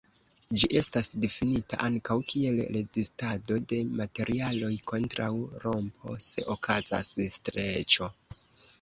Ĝi estas difinita ankaŭ kiel rezistado de materialoj kontraŭ rompo se okazas streĉo.